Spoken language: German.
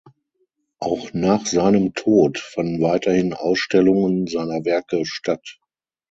Auch nach seinem Tod fanden weiterhin Ausstellungen seiner Werke statt.